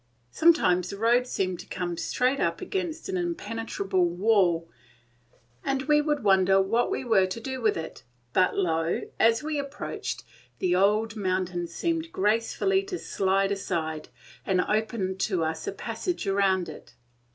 Sometimes the road seemed to come straight up against an impenetrable wall, and we would wonder what we were to do with it; but lo! as we approached, the old mountain seemed gracefully to slide aside, and open to us a passage round it.